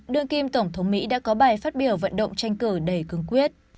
đưa kim tổng thống mỹ đã có bài phát biểu vận động tranh cử đầy cương quyết